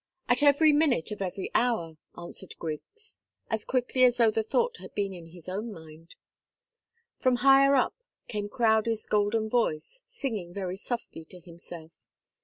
"At every minute of every hour," answered Griggs, as quickly as though the thought had been in his own mind. From higher up came Crowdie's golden voice, singing very softly to himself.